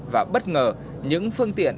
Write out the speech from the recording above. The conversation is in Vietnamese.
và bất ngờ những phương tiện